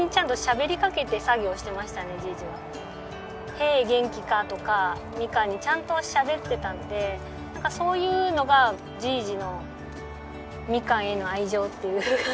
「ヘイ元気か」とかみかんにちゃんとしゃべってたんでなんかそういうのがじぃじのみかんへの愛情っていう感じが。